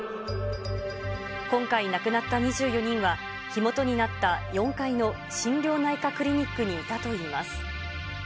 今回亡くなった２４人は火元になった４階の心療内科クリニックにいたといいます。